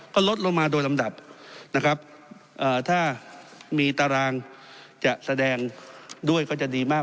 ก็ลดลงมาโดยลำดับนะครับถ้ามีตารางจะแสดงด้วยก็จะดีมาก